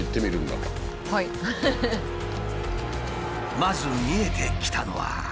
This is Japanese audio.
まず見えてきたのは。